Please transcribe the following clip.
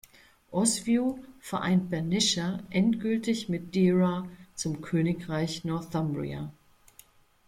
Oswiu vereint Bernicia endgültig mit Deira zum Königreich Northumbria.